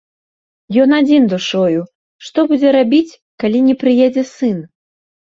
Ён адзін душою, што будзе рабіць, калі не прыедзе сын?